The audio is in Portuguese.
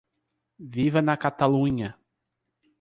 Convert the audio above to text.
Viva na Catalunha!